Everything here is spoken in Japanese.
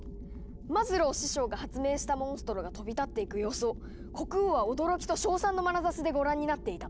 マズロー師匠が発明したモンストロが飛び立っていく様子を国王は驚きと称賛のまなざしでご覧になっていた。